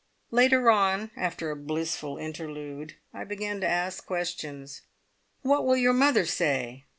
Later on after a blissful interlude I began to ask questions: "What will your mother say?